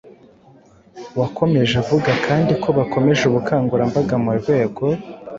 wakomeje avuga kandi ko bakomeje ubukangurambaga mu rwego